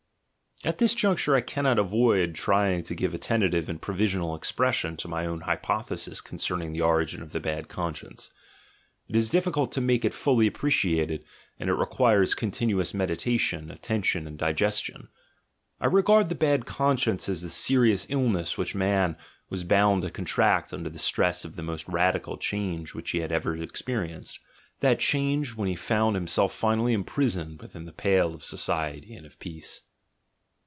At this juncture I cannot avoid trying to give a tenta 76 THE GENEALOGY OF MORALS tive and provisional expression to my own hypothesis con cerning the origin of the bad conscience: it is difficult to make it fully appreciated, and it requires continuous med itation, attention, and digestion. I regard the bad con science as the serious illness which man was bound to con tract under the stress of the most radical change which he has ever experienced — that change, when he found himself finally imprisoned within the pale of society and of peace.